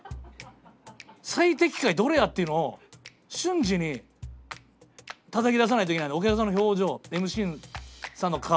最適解どれやっていうのを瞬時にたたき出さないといけないんでお客さんの表情ＭＣさんの顔。